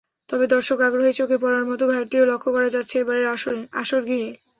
তবে দর্শক–আগ্রহে চোখে পড়ার মতো ঘাটতিও লক্ষ করা যাচ্ছে এবারের আসর ঘিরে।